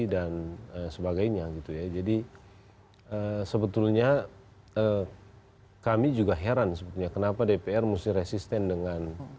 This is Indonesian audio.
dan sebagainya gitu ya jadi sebetulnya kami juga heran sebetulnya kenapa dpr muslih resisten dengan